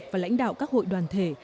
và lãnh đạo các hội đoàn thể